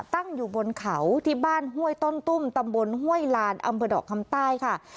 ตั้งอยู่บนเขาที่บ้านห้วยต้นตุ้มตำบลห้วยลานอำเภอดอกคำใต้ค่ะ